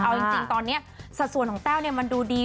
เอายังจริงตอนเนี้ยสัดส่วนของเเตลเนี้ยมันดูดี